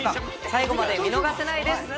最後まで見逃せないです